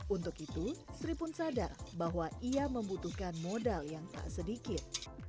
untuk itu sri pun sadar bahwa ia membutuhkan modal yang tak sedikit